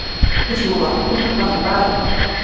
Pishquqa hunaqpami paarin.